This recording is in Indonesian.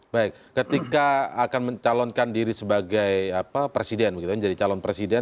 baik ketika akan mencalonkan diri sebagai presiden menjadi calon presiden